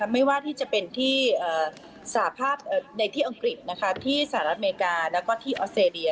ไม่ว่าที่จะเป็นที่สหภาพในที่อังกฤษที่สหรัฐอเมริกาแล้วก็ที่ออสเตรเลีย